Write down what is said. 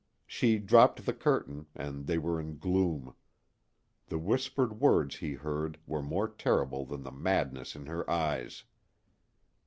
She dropped the curtain, and they were in gloom. The whispered words he heard were more terrible than the madness in her eyes.